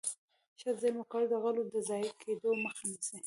ښه زيرمه کول د غلو د ضايع کېدو مخه نيسي.